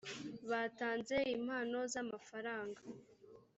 batanze impano z’amafaranga